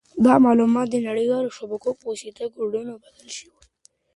دا معلومات د نړیوالو شبکو په واسطه په کوډونو بدل شوي دي.